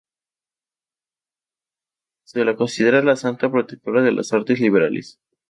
Se la considera la santa protectora de las artes liberales.